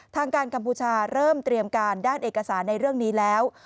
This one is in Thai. ทางการกัมพูชาเริ่มเตรียมการด้านเอกสารในเรื่องนี้แล้ว